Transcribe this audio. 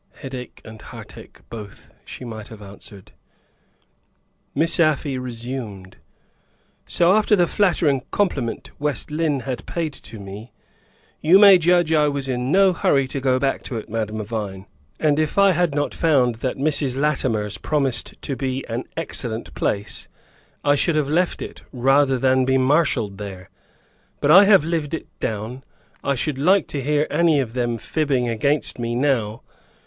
"Headache and heartache both," she might have answered. Miss Afy resumed. "So, after the flattering compliment West Lynne had paid to me, you may judge I was in no hurry to go back to it, Madame Vine. And if I had not found that Mrs. Latimer's promised to be an excellent place, I should have left it, rather than be marshaled there. But I have lived it down; I should like to hear any of them fibbing against me now.